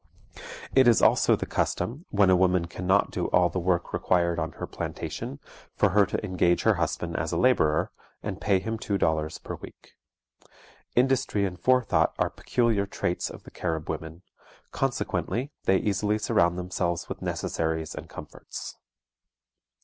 It is also the custom, when a woman can not do all the work required on her plantation, for her to engage her husband as a laborer, and pay him two dollars per week. Industry and forethought are peculiar traits of the Carib women, consequently they easily surround themselves with necessaries and comforts.